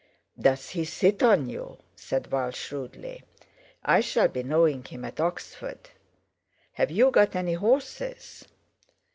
"Does he sit on you?" said Val shrewdly. "I shall be knowing him at Oxford. Have you got any horses?"